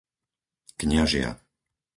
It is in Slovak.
Kňažia